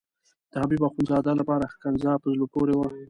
د حبیب اخندزاده لپاره ښکنځا په زړه پورې وه.